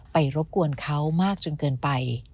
รบกวนเขามากจนเกินไป